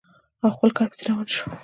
او خپل کار پسې روان شو.